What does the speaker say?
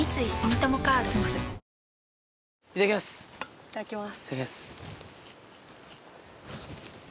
いただきます。